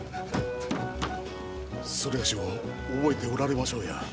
某を覚えておられましょうや。